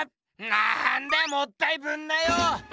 なんだよもったいぶんなよ！